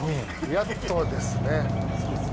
やっとですね。